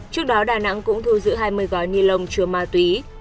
trước đó đà nẵng cũng thu giữ hai mươi gói ni lông chứa ma túy